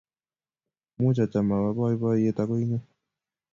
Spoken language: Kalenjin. Muuch acham awe boiboiyet ago inye